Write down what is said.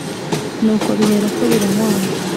nuko biherako biranywana,